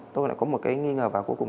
tôi lại có một nghi ngờ và cuối cùng